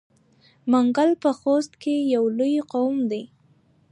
منګل په خوست کې یو لوی قوم دی.